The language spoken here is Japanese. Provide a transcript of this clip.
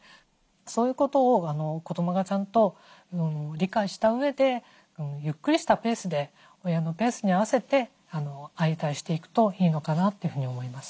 そういうことを子どもがちゃんと理解したうえでゆっくりしたペースで親のペースに合わせて相対していくといいのかなというふうに思います。